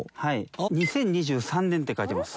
２０２３年って書いてます。